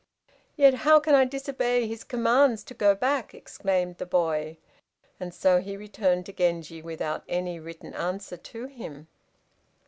"Yet, how can I disobey his commands to go back?" exclaimed the boy, and so he returned to Genji without any written answer to him.